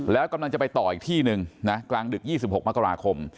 แล้วกำลังจะไปต่ออีกที่หนึ่งนะกลางดึก๒๖มกราคม